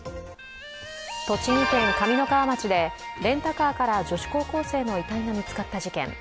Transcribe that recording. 栃木県上三川町でレンタカーから女子高校生の遺体が見つかった事件。